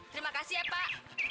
terima kasih ya pak